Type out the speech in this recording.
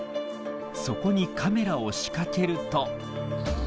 そこにカメラを仕掛けると。